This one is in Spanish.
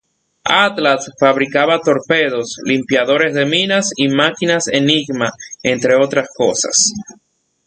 Atlas fabricaba torpedos, limpiadores de minas y máquinas Enigma, entre otras cosas.